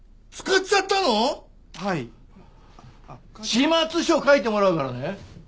始末書書いてもらうからね！